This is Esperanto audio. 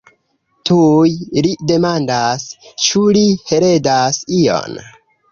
Tuj li demandas, ĉu li heredas ion.